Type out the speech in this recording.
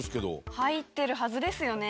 入ってるはずですよね。